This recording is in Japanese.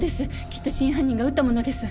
きっと真犯人が打ったものです。